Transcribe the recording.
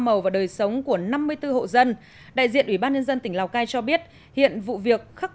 màu và đời sống của năm mươi bốn hộ dân đại diện ủy ban nhân dân tỉnh lào cai cho biết hiện vụ việc khắc